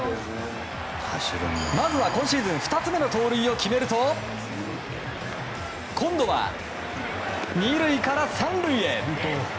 まずは今シーズン２つ目の盗塁を決めると今度は２塁から３塁へ。